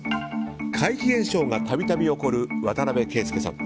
怪奇現象が度々起こる渡邊圭祐さん。